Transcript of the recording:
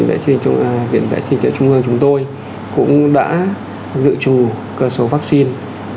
viện vệ sinh địa chung gương chúng tôi cũng đã dự trù cơ số vaccine